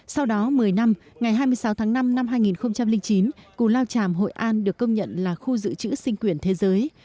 sau đó một mươi năm ngày hai mươi sáu tháng năm năm hai nghìn chín cù lao tràm hội an được công nhận là khu dự trữ sinh quyển thế giới